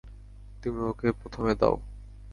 তুমি ওকে প্রথমে দাও।